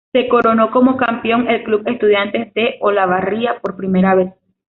Se coronó como campeón el club Estudiantes de Olavarría, por primera vez.